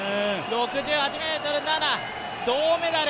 ６８ｍ０７、銅メダル。